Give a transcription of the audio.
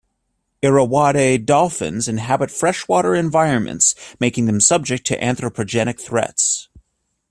Irrawaddy dolphins inhabit freshwater environments making them subject to anthropogenic threats.